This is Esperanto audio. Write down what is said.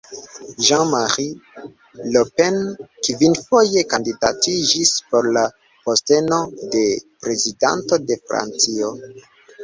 Jean-Marie Le Pen kvinfoje kandidatiĝis por la posteno de Prezidanto de Francio.